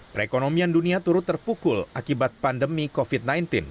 perekonomian dunia turut terpukul akibat pandemi covid sembilan belas